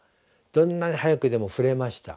どんなに速くでも振れました。